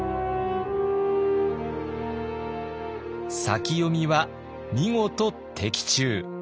先読みは見事的中。